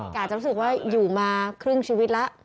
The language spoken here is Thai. อาจจะรู้สึกว่าอยู่มาครึ่งชีวิตแล้ว